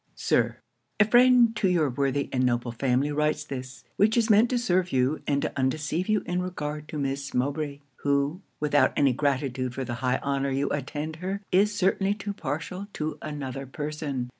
'Sir, 'A friend to your worthy and noble family writes this; which is meant to serve you, and to undeceive you in regard to Miss Mowbray who, without any gratitude for the high honour you intend her, is certainly too partial to another person.